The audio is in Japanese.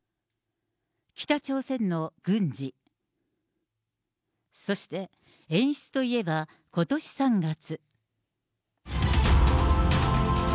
北朝鮮の軍事、そして演出といえばことし３月。